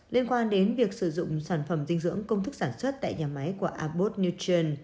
liên quan đến việc sử dụng sản phẩm dinh dưỡng công thức sản xuất tại nhà máy của abot newton